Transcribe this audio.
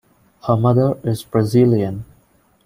Her mother is Brazilian.